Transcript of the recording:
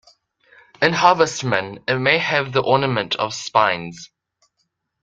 In harvestmen, it may have the ornament of spines.